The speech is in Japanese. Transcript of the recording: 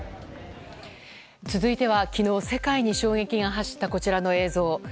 続いては昨日、世界に衝撃が走ったこちらの映像。